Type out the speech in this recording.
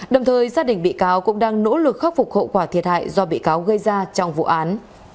đồng thời gia đình bị cáo cũng đang nỗ lực khắc phục hậu quả thiệt hại do bị cáo gây ra trong vụ án